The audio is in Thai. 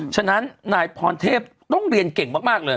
ฉะนั้นนายพรเทพต้องเรียนเก่งมากเลย